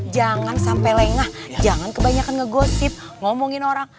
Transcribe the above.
jangan sampai lengah jangan kebanyakan ngegosip ngomongin orang